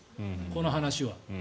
この話は。